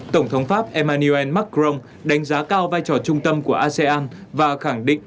tổng thống pháp emmanuel macron đánh giá cao vai trò trung tâm của asean và khẳng định